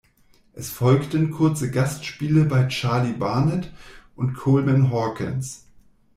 Es folgten kurze Gastspiele bei Charlie Barnet und Coleman Hawkins.